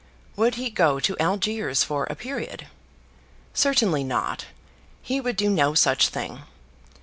Would he go to Algiers for a period? Certainly not. He would do no such thing.